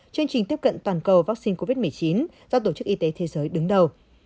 chương trình tiếp cận toàn cầu vaccine covid một mươi chín do tổ chức y tế thế giới đứng đầu